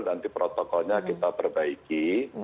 nanti protokolnya kita perbaiki